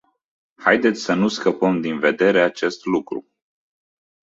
Haideți să nu scăpăm din vedere acest lucru.